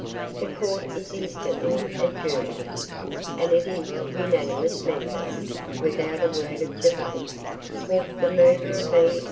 The court is instantly adjourn'd, and its unanimous members, without a word of debate, walk the murderer B.